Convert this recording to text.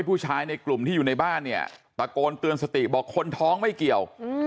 ผู้ชายในกลุ่มที่อยู่ในบ้านเนี่ยตะโกนเตือนสติบอกคนท้องไม่เกี่ยว